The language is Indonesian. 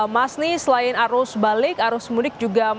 masni selain arus balik arus mudik juga masih tinggi